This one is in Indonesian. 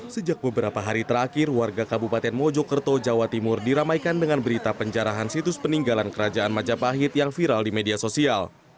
sejak beberapa hari terakhir warga kabupaten mojokerto jawa timur diramaikan dengan berita penjarahan situs peninggalan kerajaan majapahit yang viral di media sosial